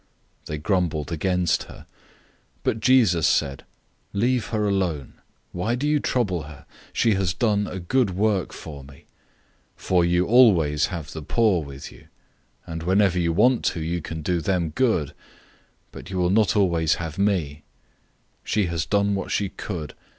They grumbled against her. 014:006 But Jesus said, "Leave her alone. Why do you trouble her? She has done a good work for me. 014:007 For you always have the poor with you, and whenever you want to, you can do them good; but you will not always have me. 014:008 She has done what she could.